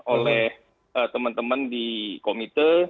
oleh teman teman di komite